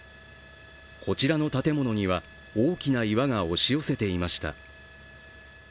こちらの建物には大きな岩が押し寄せていました。